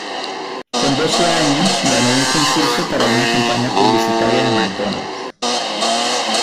Con doce años ganó un concurso para una campaña publicitaria de McDonald's.